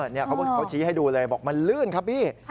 นี่เขาชี้ให้ดูเลยบอกมันลื่นครับพี่